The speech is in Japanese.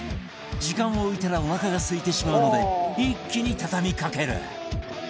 時間を置いたらおなかがすいてしまうので一気に畳みかける